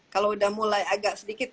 kalau udah mulai agak sedikit